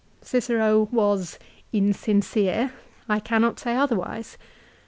Cicero was insincere. I cannot say otherwise.